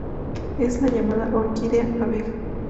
Es la llamada orquídea abeja.